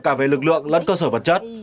cả về lực lượng lẫn cơ sở vật chất